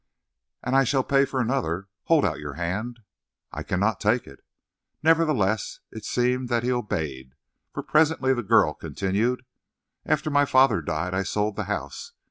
"And I shall pay for another. Hold out your hand." "I cannot take it." Nevertheless, it seemed that he obeyed, for presently the girl continued: "After my father died I sold the house.